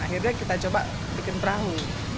akhirnya kita coba bikin perahu